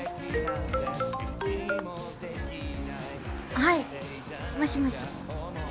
はいもしもし。